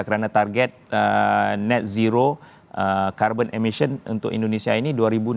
karena target net zero carbon emission untuk indonesia ini dua ribu enam puluh